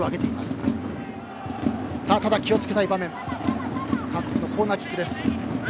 ただ、気を付けたい場面の韓国のコーナーキック。